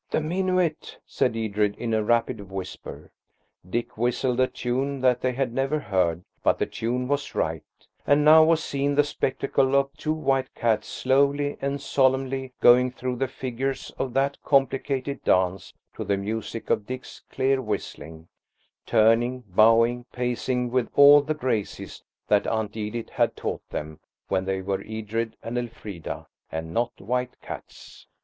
"The minuet," said Edred, in a rapid whisper. Dick whistled a tune that they had never heard, but the tune was right; and now was seen the spectacle of two white cats slowly and solemnly going through the figures of that complicated dance to the music of Dick's clear whistling, turning, bowing, pacing with all the graces that Aunt Edith had taught them when they were Edred and Elfrida and not white cats.